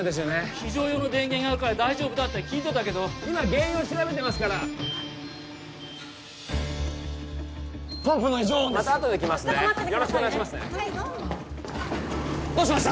非常用の電源があるから大丈夫だって聞いてたけど今原因を調べてますからポンプの異常音ですまた後で来ますねちょっと待っててくださいねよろしくお願いしますねどうしました？